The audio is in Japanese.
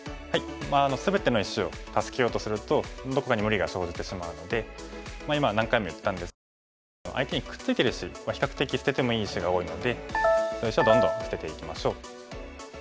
全ての石を助けようとするとどこかに無理が生じてしまうので今何回も言ったんですが相手にくっついてる石は比較的捨ててもいい石が多いのでそういう石をどんどん捨てていきましょう。